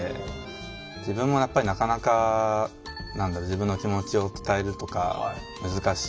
自分もやっぱりなかなか何だろう自分の気持ちを伝えるとか難しいから。